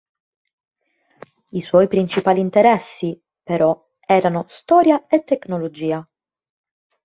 I suoi principali interessi, però, erano storia e tecnologia.